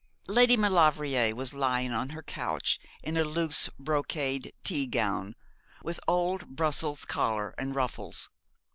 Lady Maulevrier was lying on her couch in a loose brocade tea gown, with old Brussels collar and ruffles.